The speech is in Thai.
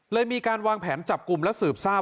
ส่งมาขอความช่วยเหลือจากเพื่อนครับ